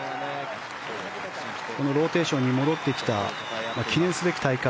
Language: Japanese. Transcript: このローテーションに戻ってきた記念すべき大会